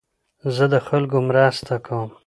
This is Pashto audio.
زه د خلکو مرسته کوم.